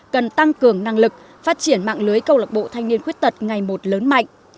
cần tăng cường năng lực phát triển mạng lưới câu lạc bộ thanh niên khuyết tật ngày một lớn mạnh